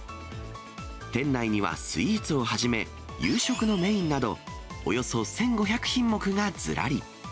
店内にはスイーツをはじめ、夕食のメインなど、およそ１５００品目がずらり。